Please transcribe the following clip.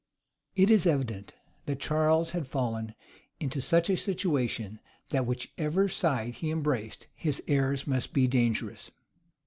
It is evident, that Charles had fallen into such a situation, that whichever side he embraced, his errors must be dangerous.